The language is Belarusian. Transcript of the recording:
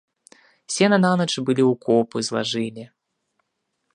Сена нанач былі ў копы злажылі.